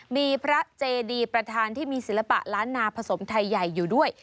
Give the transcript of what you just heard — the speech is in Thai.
มีพระเจดีประธานที่มีศิลปะล้านนาผสมไทยใหญ่อยู่ด้วย